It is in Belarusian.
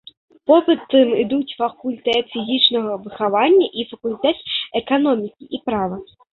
Потым ідуць факультэт фізічнага выхавання і факультэт эканомікі і права.